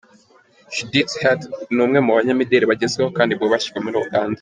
Judith Heard ni umwe mu banyamideli bagezweho kandi bubashywe muri Uganda.